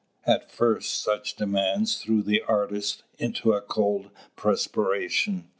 At first such demands threw the artist into a cold perspiration.